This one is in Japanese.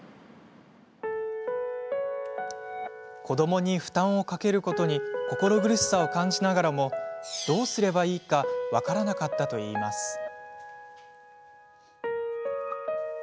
子どもに負担をかけることに心苦しさを感じながらもどうすればいいか分からなかったといいます。